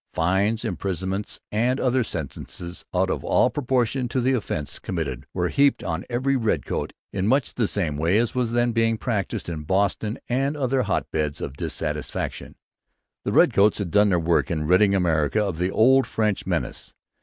Fines, imprisonments, and other sentences, out of all proportion to the offence committed, were heaped on every redcoat in much the same way as was then being practised in Boston and other hotbeds of disaffection. The redcoats had done their work in ridding America of the old French menace.